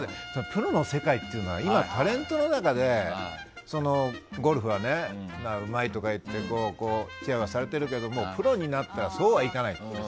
プロの世界というのは今、タレントの中でゴルフはうまいとか言ってちやほやされてるけどプロになったらそうはいかない。